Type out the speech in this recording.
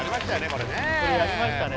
これねこれやりましたね